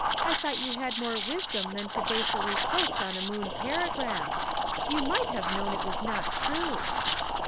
I thought you had more wisdom than to base a reproach on a Moon paragraph. You might have known it was not true."